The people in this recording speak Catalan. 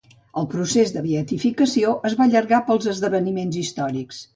El procés de beatificació es va allargar pels esdeveniments històrics.